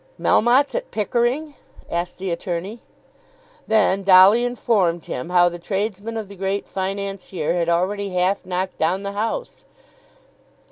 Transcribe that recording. "Melmotte's at Pickering?" asked the attorney. Then Dolly informed him how the tradesmen of the great financier had already half knocked down the house.